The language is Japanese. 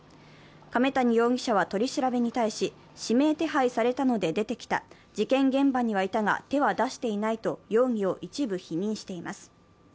亀谷容疑者は取り調べに対し、指名手配されたので出てきた、事件現場にはいたが手は出していないと容疑を一部否認しています。